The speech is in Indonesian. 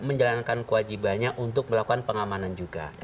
menjalankan kewajibannya untuk melakukan pengamanan juga